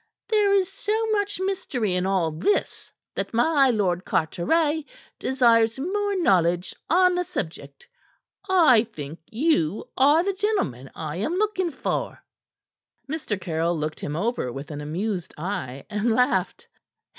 There is so much mystery in all this that my Lord Carteret desires more knowledge on the subject. I think you are the gentleman I am looking for." Mr. Caryll looked him over with an amused eye, and laughed.